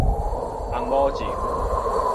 尪某情